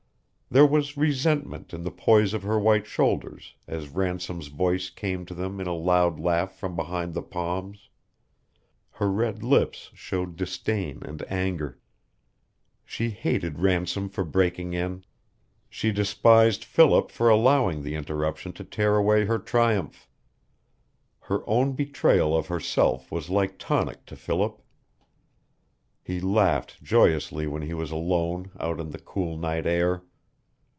There was resentment in the poise of her white shoulders as Ransom's voice came to them in a loud laugh from behind the palms; her red lips showed disdain and anger. She hated Ransom for breaking in; she despised Philip for allowing the interruption to tear away her triumph. Her own betrayal of herself was like tonic to Philip. He laughed joyously when he was alone out in the cool night air.